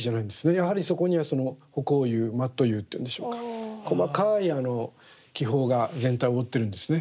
やはりそこには葆光釉マット釉というんでしょうか細かい気泡が全体を覆ってるんですね。